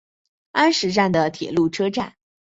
安食站的铁路车站。